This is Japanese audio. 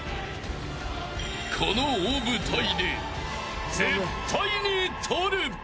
この大舞台で絶対に取る。